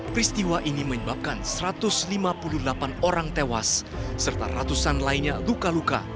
peristiwa ini menyebabkan satu ratus lima puluh delapan orang tewas serta ratusan lainnya luka luka